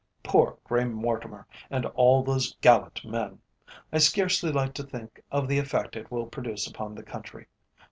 "Poor Grey Mortimer and all those gallant men! I scarcely like to think of the effect it will produce upon the country.